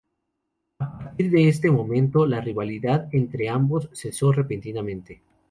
A partir de este momento la rivalidad entre ambos cesó repentinamente.